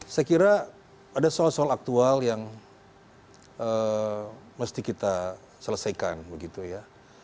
saya kira ada soal soal aktual yang mesti kita selesaikan begitu ya